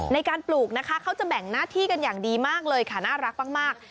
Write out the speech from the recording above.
ในการปลูกนะคะเขาจะแบ่งหน้าที่กันอย่างดีมากเลยค่ะน่ารักมาก